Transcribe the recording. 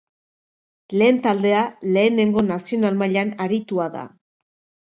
Lehen taldea Lehenengo Nazional mailan aritua da.